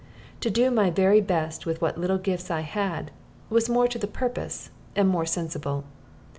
To do my very best with what little gifts I had was more to the purpose and more sensible.